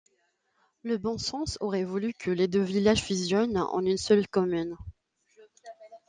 Le bon sens aurait voulu que les deux villages fusionnent en une seule commune.